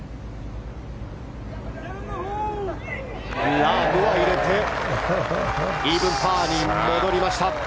ラームは入れてイーブンパーに戻りました。